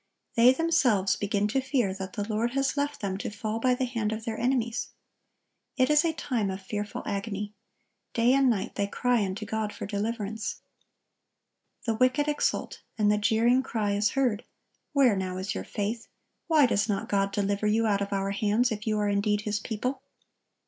They themselves begin to fear that the Lord has left them to fall by the hand of their enemies. It is a time of fearful agony. Day and night they cry unto God for deliverance. The wicked exult, and the jeering cry is heard, "Where now is your faith? Why does not God deliver you out of our hands if you are indeed His people?"